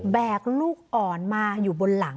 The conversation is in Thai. ลูกอ่อนมาอยู่บนหลัง